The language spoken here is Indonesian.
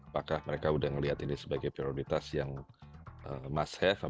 apakah mereka sudah melihat ini sebagai prioritas yang musk have